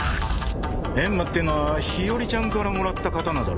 ［閻魔っていうのは日和ちゃんからもらった刀だろ］